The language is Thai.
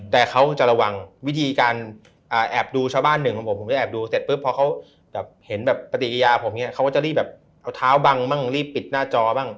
แต่แอบดูชาวบ้านหนึ่งของผมผมก็จะแอบดูเสร็จปุ๊บเพราะเขาเห็นปฏิกิญาผมเขาก็จะรีบแบบเอาเท้าบังบ้างรีบปิดหน้าจอบ้าง